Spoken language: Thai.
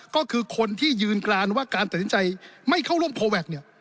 ก็คือคนที่ยืนกรานว่าการตัดสินใจไม่เข้าร่วมโคแวคเนี่ย